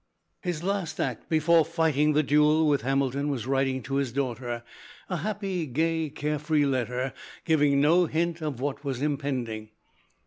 His last act before fighting the duel with Hamilton, was writing to his daughter a happy, gay, care free letter, giving no hint of what was impending.